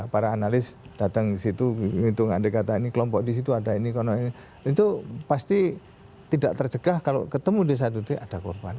para analis datang disitu menghitung andai kata ini kelompok disitu ada ini itu pasti tidak terjegah kalau ketemu desa itu ada korban